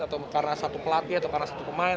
atau karena satu pelatih atau karena satu pemain